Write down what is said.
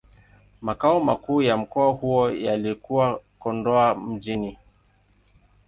Makao makuu ya mkoa huo yalikuwa Kondoa Mjini.